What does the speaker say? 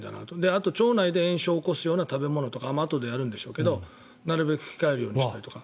あと、腸内で炎症を起こすような食べ物とかあとでやるんでしょうけどなるべく控えるようにしたりとか。